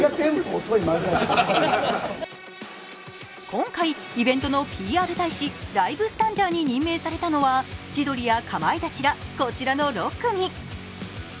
今回、イベントのＰＲ大使、ライブスタンジャーに任命されたのは千鳥やかまいたちらこちらの６組。